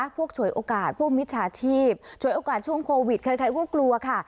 ฉวยโอกาสพวกมิจฉาชีพฉวยโอกาสช่วงโควิดใครก็กลัวค่ะ